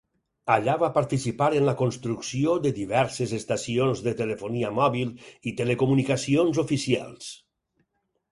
Allà va participar en la construcció de diverses estacions de telefonia mòbil i telecomunicacions oficials.